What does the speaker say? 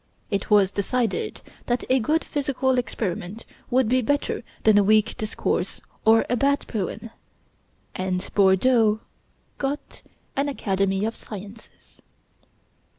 It was decided that a good physical experiment would be better than a weak discourse or a bad poem; and Bordeaux got an Academy of Sciences.